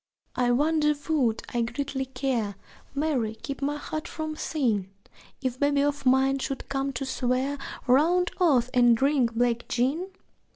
(I wonder would I greatly care Mary, keep my heart from sin! If babe of mine should come to swear Round oaths and drink black gin?)